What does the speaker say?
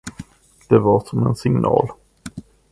Det var som en signal.